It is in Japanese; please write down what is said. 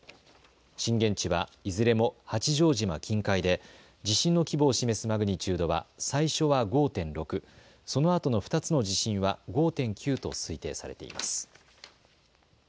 震源地はいずれも八丈島近海で地震の規模を示すマグニチュードは最初は５．６、そのあとの２つの地震は５．９と推定されています。